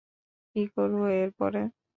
কী করবো এরপরে?